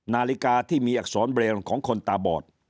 นาฬิกาที่มีอักษรเบรนด์ของคนตาบอด